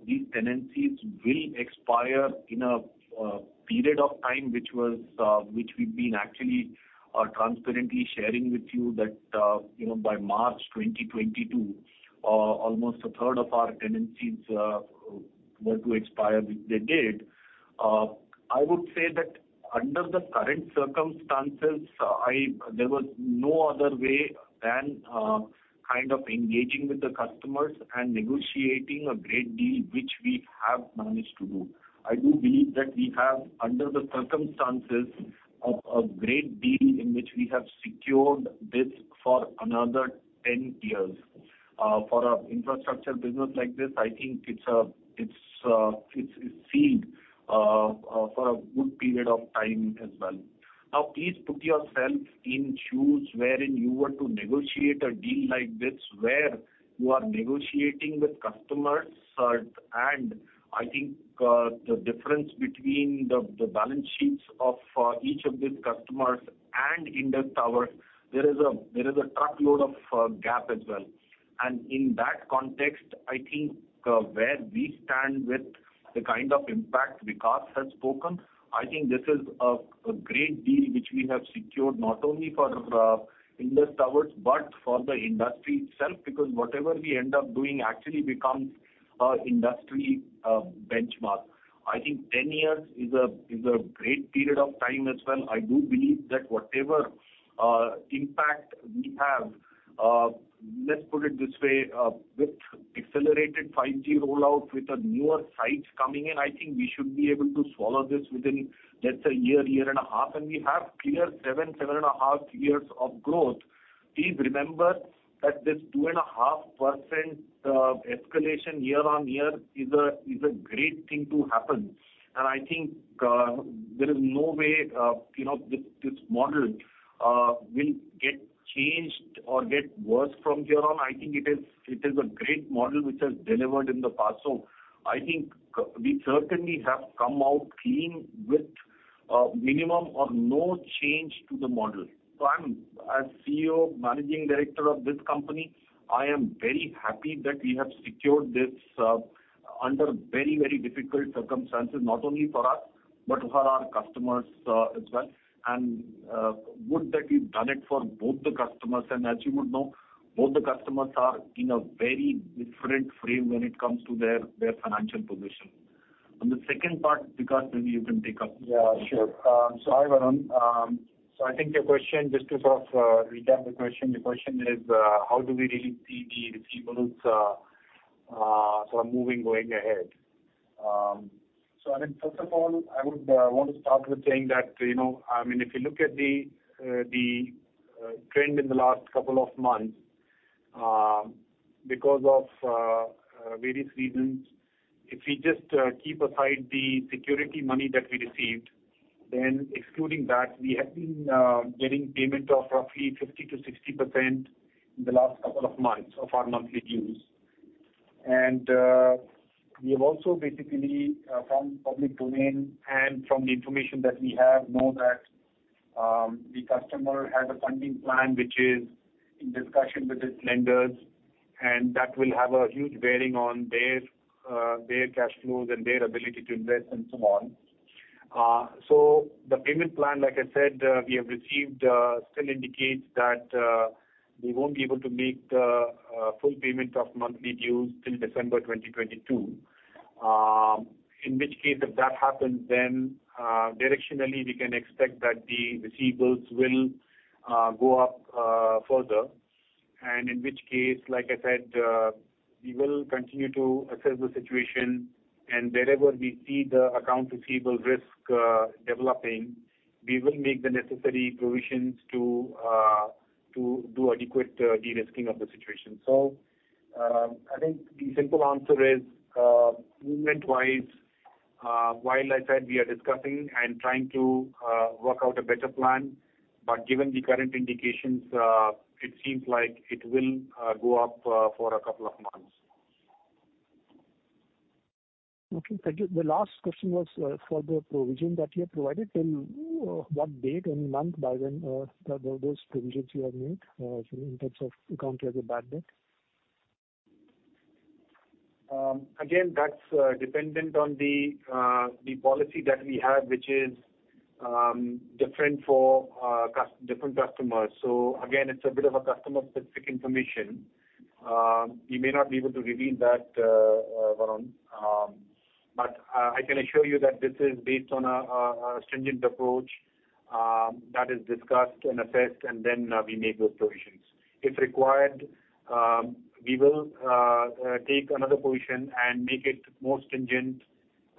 these tenancies will expire in a period of time which we've been actually or transparently sharing with you that you know by March 2022 almost a third of our tenancies were to expire, which they did. I would say that under the current circumstances, there was no other way than kind of engaging with the customers and negotiating a great deal, which we have managed to do. I do believe that we have, under the circumstances, a great deal in which we have secured this for another 10 years. For an infrastructure business like this, I think it's sealed for a good period of time as well. Now, please put yourself in the shoes wherein you were to negotiate a deal like this, where you are negotiating with customers, and I think the difference between the balance sheets of each of these customers and Indus Towers, there is a truckload of gap as well. In that context, I think where we stand with the kind of impact Vikas has spoken, I think this is a great deal which we have secured not only for Indus Towers, but for the industry itself because whatever we end up doing actually becomes our industry benchmark. I think 10 years is a great period of time as well. I do believe that whatever impact we have, let's put it this way, with accelerated 5G rollout with the newer sites coming in, I think we should be able to swallow this within, let's say 1.5 years, and we have clear 7.5 years of growth. Please remember that this 2.5% escalation year on year is a great thing to happen. I think there is no way, you know, this model will get changed or get worse from here on. I think it is a great model which has delivered in the past. I think we certainly have come out clean with minimum or no change to the model. I'm, as CEO, Managing Director of this company, I am very happy that we have secured this under very, very difficult circumstances, not only for us, but for our customers, as well. Good that we've done it for both the customers. As you would know, both the customers are in a very different frame when it comes to their financial position. On the second part, Vikas, maybe you can take up. Yeah, sure. I will. I think your question, just to sort of recap the question. The question is, how do we really see the receivables sort of moving going ahead? I mean, first of all, I would want to start with saying that, you know, I mean, if you look at the trend in the last couple of months, because of various reasons, if we just keep aside the security money that we received, then excluding that, we have been getting payment of roughly 50%-60% in the last couple of months of our monthly dues. We have also basically from public domain and from the information that we know that the customer has a funding plan which is in discussion with its lenders, and that will have a huge bearing on their cash flows and their ability to invest and so on. The payment plan, like I said, we have received still indicates that they won't be able to make the full payment of monthly dues till December 2022. In which case if that happens, directionally we can expect that the receivables will go up further. In which case, like I said, we will continue to assess the situation and wherever we see the account receivables risk developing, we will make the necessary provisions to do adequate de-risking of the situation. I think the simple answer is, movement wise, while I said we are discussing and trying to work out a better plan, but given the current indications, it seems like it will go up for a couple of months. Okay. Thank you. The last question was, for the provision that you have provided till, what date and month by when, those provisions you have made, in terms of account as a bad debt? Again, that's dependent on the policy that we have which is different for different customers. Again, it's a bit of a customer-specific information. We may not be able to reveal that, Varun. I can assure you that this is based on a stringent approach that is discussed and assessed and then we make those provisions. If required, we will take another provision and make it more stringent,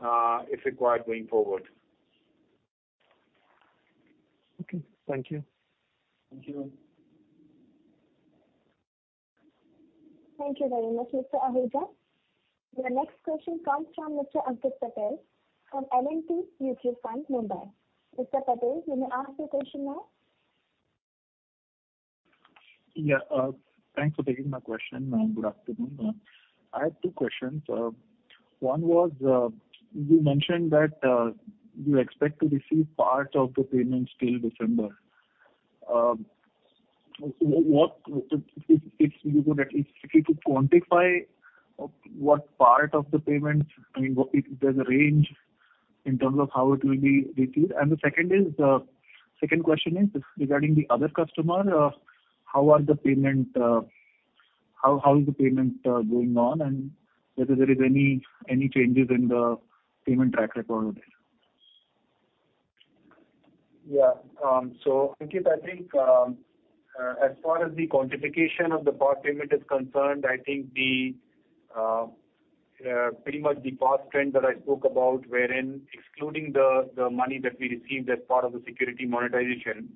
if required going forward. Okay. Thank you. Thank you. Thank you very much, Mr. Ahuja. Your next question comes from Mr. Ankit Patel from L&T Mutual Fund, Mumbai. Mr. Patel, you may ask your question now. Yeah. Thanks for taking my question. Good afternoon. I have two questions. One was, you mentioned that you expect to receive part of the payments till December. If you could quantify what part of the payments, I mean, if there's a range in terms of how it will be received. The second is, second question is regarding the other customer. How is the payment going on, and whether there is any changes in the payment track record there? Yeah. Ankit, I think as far as the quantification of the part payment is concerned, I think pretty much the past trend that I spoke about wherein excluding the money that we received as part of the security monetization,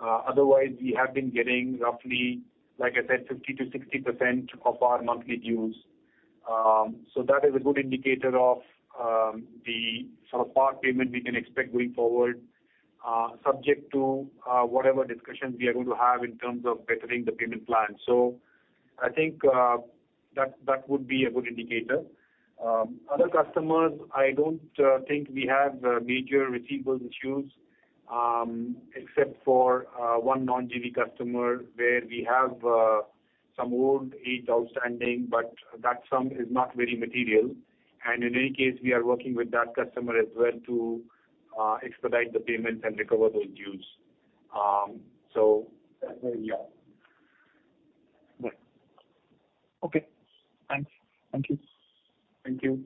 otherwise we have been getting roughly, like I said, 50%-60% of our monthly dues. That is a good indicator of the sort of part payment we can expect going forward, subject to whatever discussions we are going to have in terms of bettering the payment plan. I think that would be a good indicator. Other customers, I don't think we have major receivables issues, except for one non-VI customer where we have some aged outstanding, but that sum is not very material. In any case we are working with that customer as well to expedite the payments and recover those dues. That's where we are. Right. Okay. Thanks. Thank you. Thank you.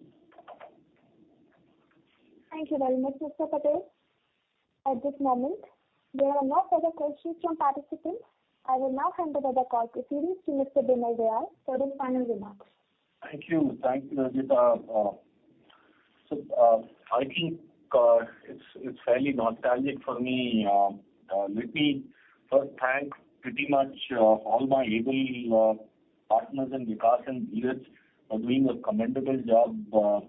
Thank you very much, Mr. Patel. At this moment, there are no further questions from participants. I will now hand over the call to you, Mr. Bimal Dayal for his final remarks. Thank you. Thank you, Rajita. I think it's fairly nostalgic for me. Let me first thank pretty much all my able partners and Vikas and Dheeraj for doing a commendable job.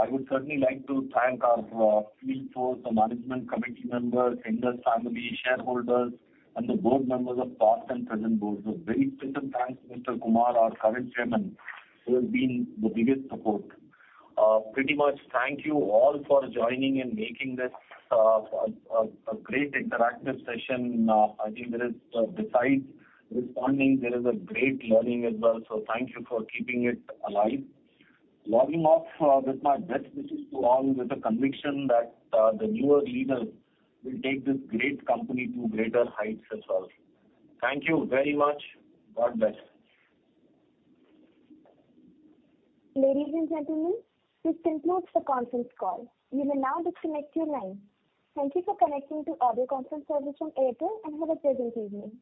I would certainly like to thank our field force, the management committee members, Indus family shareholders, and the board members of past and present boards. A very special thanks to Mr. Kumar, our current Chairman, who has been the biggest support. Pretty much thank you all for joining and making this a great interactive session. I think there is, besides responding, there is a great learning as well. Thank you for keeping it alive. Logging off with my best wishes to all, with the conviction that the newer leaders will take this great company to greater heights as well. Thank you very much. God bless. Ladies and gentlemen, this concludes the conference call. You may now disconnect your line. Thank you for connecting to audio conference service from Airtel, and have a pleasant evening.